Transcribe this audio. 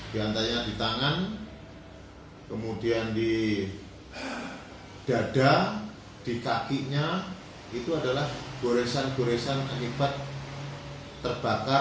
di antaranya di tangan kemudian di dada di kakinya itu adalah goresan goresan akibat terbakar